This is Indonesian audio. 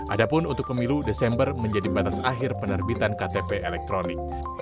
adapun untuk pemilu desember menjadi batas akhir penerbitan ktp elektronik